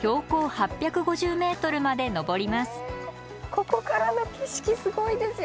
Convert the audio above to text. ここからの景色すごいですよ